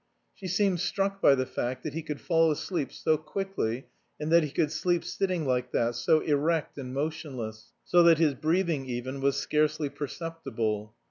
She seemed struck by the fact that he could fall asleep so quickly and that he could sleep sitting like that, so erect and motionless, so that his breathing even was scarcely perceptible.